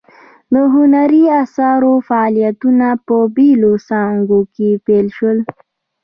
د هنري اثارو فعالیتونه په بیلو څانګو کې پیل شول.